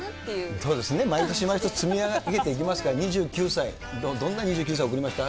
そうですね、毎年毎年積み上げていきますから、２９歳、どんな２９歳送りましたか？